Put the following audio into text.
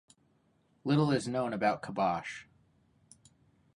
Little is known about Khabash.